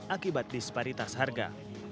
akibat disparitas harga